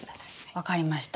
分かりました。